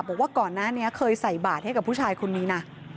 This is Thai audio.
บอกว่าก่อนหน้านี้เคยใส่บาทให้กับผู้ชายคนนี้นะ